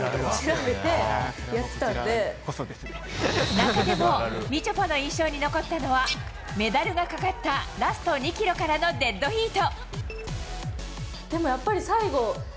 中でもみちょぱの印象に残ったのはメダルがかかったラスト２ｋｍからのデッドヒート。